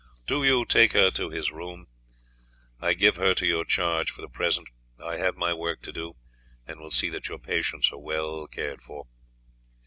Do you take her to his room; I give her to your charge for the present. I have my work to do, and will see that your patients are well cared for."